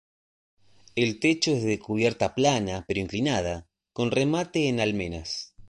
El techo es de cubierta plana pero inclinada, con remate en almenas.